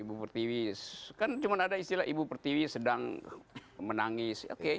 ibu pertiwi kan cuma ada istilah ibu pertiwi sedang menangis